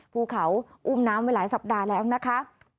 ภูเขาอุ้มน้ำไว้หลายสัปดาห์แล้วนะคะ